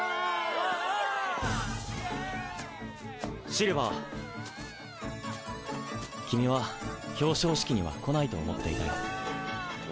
シルヴァー君は表彰式には来ないと思っていたよ